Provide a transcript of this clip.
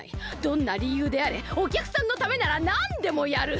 どんなりゆうであれおきゃくさんのためならなんでもやる。